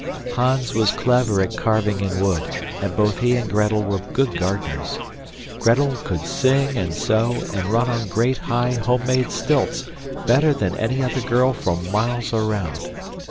Hans was clever at carving in wood, and both he and Gretel were good gardeners. Gretel could sing and sew and run on great, high homemade stilts better than any other girl for miles around.